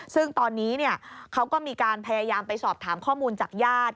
ซึ่งตอนนี้เขาก็มีการพยายามไปสอบถามข้อมูลจากญาติ